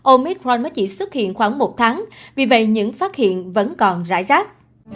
omicron mới chỉ xuất hiện khoảng một tháng vì vậy những phát hiện vẫn còn rải rác